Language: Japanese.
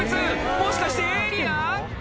もしかしてエイリアン？